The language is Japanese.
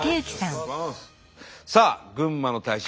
さあ群馬の大使